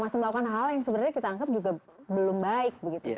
masih melakukan hal hal yang sebenarnya kita anggap juga belum baik begitu